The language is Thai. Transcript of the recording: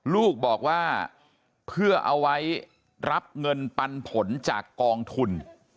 ลูกบอกว่าเพื่อเอาไว้รับเงินปันผลจากกองทุน